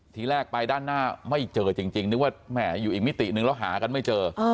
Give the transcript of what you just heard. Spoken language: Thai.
ทีแรกไปด้านหน้าไม่เจอจริงนึกว่าแหมอยู่อีกมิติหนึ่งแล้วหากันไม่เจอ